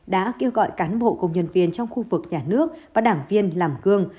đã kêu gọi cán bộ công nhân viên trong khu vực nhà nước và đảng viên làm gương